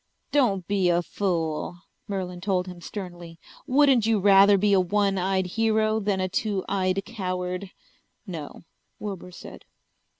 "Don't be a fool," Merlin told him sternly. "Wouldn't you rather be a one eyed hero than a two eyed coward?" "No," Wilbur said.